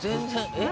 えっ？